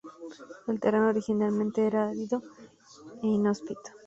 El terreno originalmente era árido e inhóspito.